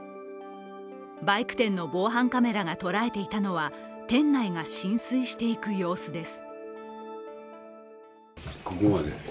バイク店の防犯カメラが捉えていたのは店内が浸水していく様子です。